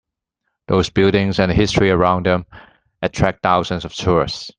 Those buildings and the history around them attract thousands of tourists.